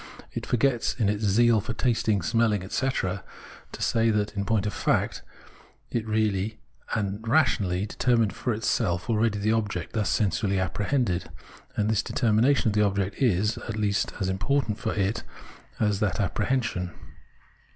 It forgets, in its zeal for tasting, smelling, etc., to say that, in point of fact, it has really and rationally determined for itself already the object thus sensuously apprehended, and this determination of the object is, at least, as important for it as that appre hension.